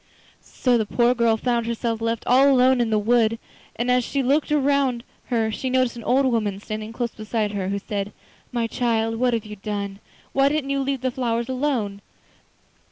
So the poor girl found herself left all alone in the wood, and as she looked round her she noticed an old woman standing close beside her, who said: 'My child, what have you done? Why didn't you leave the flowers alone?